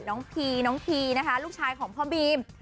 พีน้องทีนะคะลูกชายของพ่อบีม